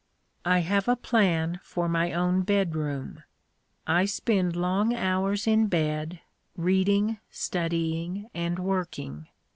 I have a plan for my own bedroom. I spend long hours in bed, reading, studying, and working.